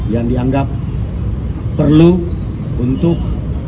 yang dianggap perlu untuk